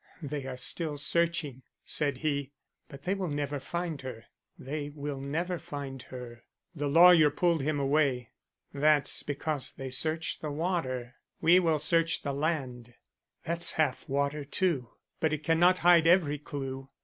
"They are still searching," said he. "But they will never find her. They will never find her." The lawyer pulled him away. "That's because they search the water. We will search the land." "That's half water, too; but it cannot hide every clew.